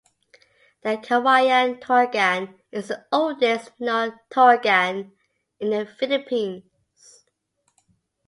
The Kawayan Torogan is the oldest known torogan in the Philippines.